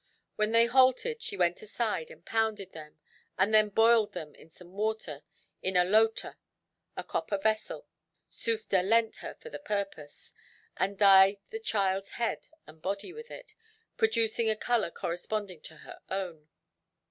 When they halted she went aside and pounded them, and then boiled them in some water in a lota a copper vessel Sufder lent her for the purpose, and dyed the child's head and body with it, producing a colour corresponding to her own.